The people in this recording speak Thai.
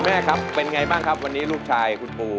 แม่ครับเป็นไงบ้างครับวันนี้ลูกชายคุณปู